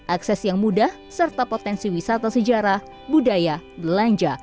akses yang mudah serta potensi wisata sejarah budaya belanja